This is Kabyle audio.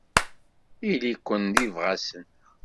Ili-ken d ibɣasen.